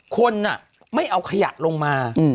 คนไม่เอาขยะลงมา